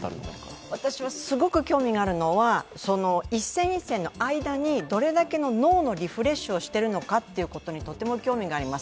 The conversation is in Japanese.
私はすごく興味があるのは一戦一戦の間にどれだけの脳のリフレッシュをしているのかということにとても興味があります。